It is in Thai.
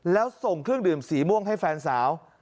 แล้วส่งเครื่องดื่มสีม่วงให้แฟนสาว